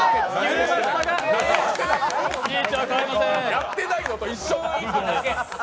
やってないのと一緒だ！